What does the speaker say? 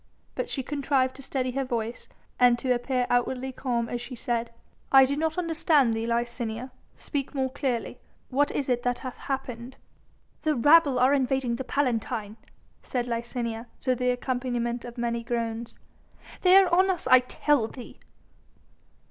But she contrived to steady her voice and to appear outwardly calm as she said: "I do not understand thee, Licinia, speak more clearly. What is it that hath happened?" "The rabble are invading the Palatine," said Licinia, to the accompaniment of many groans. "They are on us I tell thee."